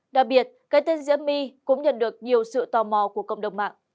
đặc biệt cái tên diễm my cũng nhận được nhiều sự tò mò của cộng đồng mạng